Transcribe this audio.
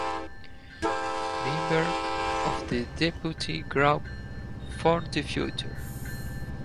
Member of the deputy group "For the Future".